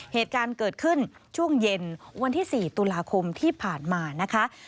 เหตุการณ์เกิดขึ้นช่วงเย็นวันที่๔ตุลาคมที่ผ่านมานะคะ